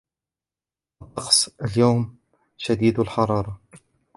الطقس اليوم شديد الحرارة.